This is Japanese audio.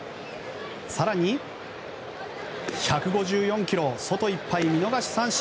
更に、１５４キロ外いっぱい見逃し三振。